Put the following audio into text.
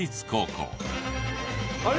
あれ？